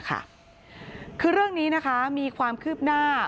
คือเรื่องนี้มีความคืบหน้า